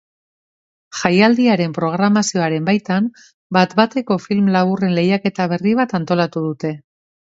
Jaialdiaren programazioaren baitan bat-bateko film laburren lehiaketa berri bat antolatu dute.